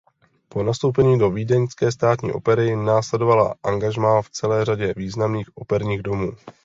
Po nastoupení do Vídeňské státní opery následovala angažmá v celé řadě významných operních domů.